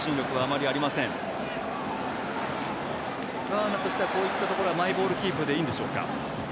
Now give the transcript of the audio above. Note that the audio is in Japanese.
ガーナとしてはこういったところはマイボールキープでいいんでしょうか？